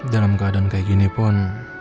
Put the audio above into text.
dalam keadaan kayak gini pun